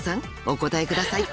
お答えください］